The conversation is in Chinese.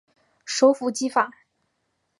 首府基法。